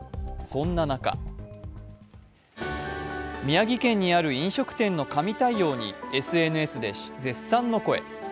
そんな中、宮城県にある飲食店の神対応にＳＮＳで絶賛の声。